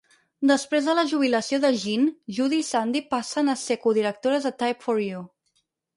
Després de la jubilació de Jean, Judy i Sandy passen a ser codirectores de Type for You.